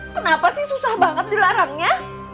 kenapa sih susah banget dilarangnya